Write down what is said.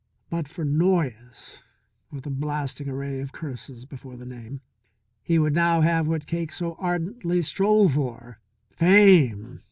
But for Noyes with a blasting array of curses before the name he would now have what Cake so ardently strove for: Fame.